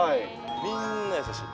みんな優しい。